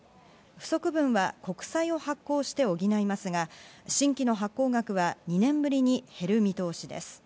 不足分は国債を発行して補いますが、新規の発行額は２年ぶりに減る見通しです。